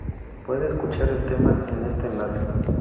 Puede escuchar el tema en este enlace